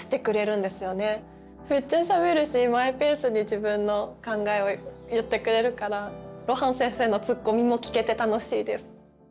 めっちゃしゃべるしマイペースに自分の考えを言ってくれるから露伴先生のツッコミも聞けて楽しいです。